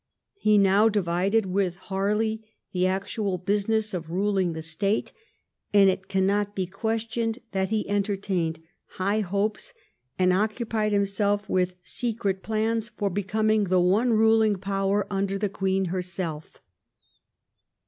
He now divided with Harley the actual business of ruUng the State, and it cannot be questioned that he entertained high hopes and occupied himself with secret plans for becoming the one ruling power under the Queen herself.